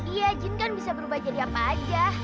ya jin kan bisa berubah jadi apa aja